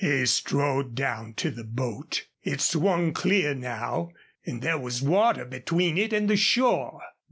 He strode down to the boat. It swung clear now, and there was water between it and the shore.